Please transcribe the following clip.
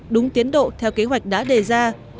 đúng tiến độ theo kế hoạch đã đề ra